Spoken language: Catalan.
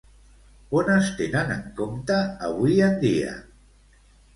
On es tenen en compte avui en dia?